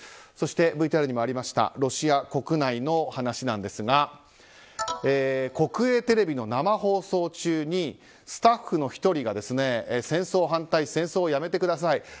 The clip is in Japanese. そしてＶＴＲにもありましたロシア国内の話ですが国営テレビの生放送中にスタッフの１人が戦争反対、戦争をやめてください